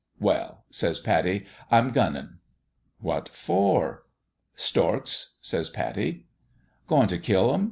"Well," says Pattie, " I'm gunnin'." "What for?" " Storks," says Pattie. " Goin' t' kill 'em ?